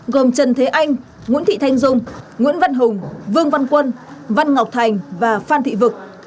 gồm trần thế anh nguyễn thị thanh dung nguyễn văn hùng vương văn quân văn ngọc thành và phan thị vực